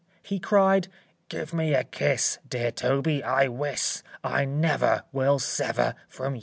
He cried, "Give me a kiss, Dear Toby, I wis I never will sever from you."